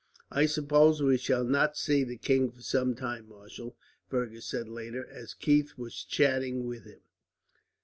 "I suppose we shall not see the king for some time, marshal," Fergus said later, as Keith was chatting with him.